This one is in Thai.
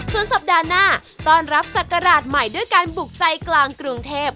ส่วนสัปดาห์หน้าต้อนรับศักราชใหม่ด้วยการบุกใจกลางกรุงเทพ